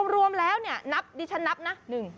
รวมแล้วเนี่ยนับดิฉันนับนะ